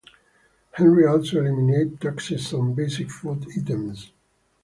Henry also eliminated taxes on basic food items.